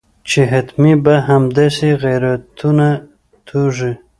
چې حتمي به همداسې غیرتونه توږي.